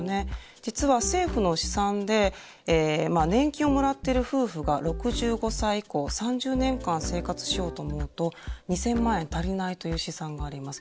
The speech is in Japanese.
実は政府の試算で年金をもらってる夫婦が６５歳以降３０年間生活しようと思うと２，０００万円足りないという試算があります。